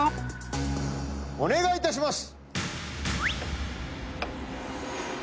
お願いいたします！